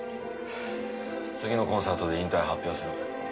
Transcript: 次のコンサートで引退を発表する。